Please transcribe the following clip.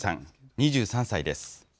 ２３歳です。